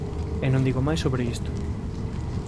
E non digo máis sobre isto.